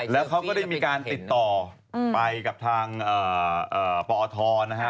แล้วเขาก็ได้มีการติดต่อไปกับทางปอทนะฮะ